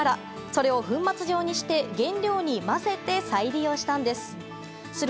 それを粉末状にして原料に混ぜて再利用したんです。